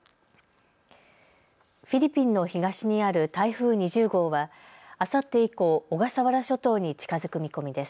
フィリピンの東にある台風２０号はあさって以降、小笠原諸島に近づく見込みです。